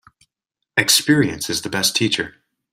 Experience is the best teacher.